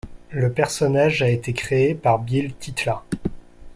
Le personnage a été créé par Bill Tytla.